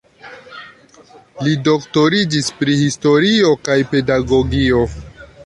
Li doktoriĝis pri historio kaj pedagogio.